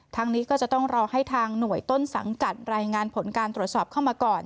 ทางนี้ก็จะต้องรอให้ทางหน่วยต้นสังกัดรายงานผลการตรวจสอบเข้ามาก่อน